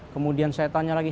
kemudian saya tanya lagi